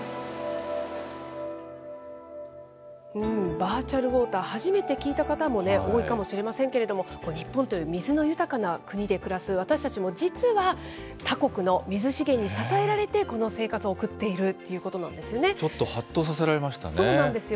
バーチャルウォーター、初めて聞いた方も多いかもしれませんけれども、日本という水の豊かな国で暮らす私たちも、実は、他国の水資源に支えられて、この生活を送っているっていうことなちょっとはっとさせられましそうなんですよ。